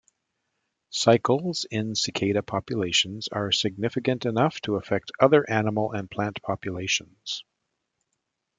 Cycles in cicada populations are significant enough to affect other animal and plant populations.